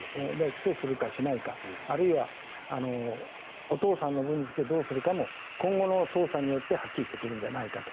起訴するかしないかあるいは、お父さんの分について今後の捜査によってはっきりしてくるんじゃないかと。